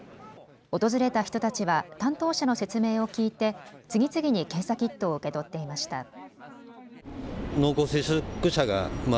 訪れた人たちは担当者の説明を聞いて次々に検査キットを受け取っていました。